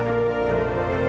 tim cnn indonesia jakarta